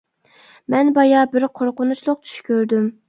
-مەن بايا بىر قورقۇنچلۇق چۈش كۆردۈم.